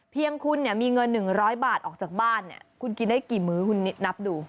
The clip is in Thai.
เพียงคุณเนี่ยมีเงิน๑๐๐บาทออกจากบ้านเนี่ยคุณกินได้กี่มื้อคุณนับดู